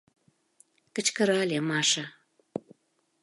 — кычкырале Маша.